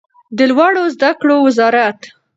د لوړو زده کړو وزارت